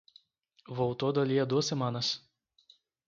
Voltou dali a duas semanas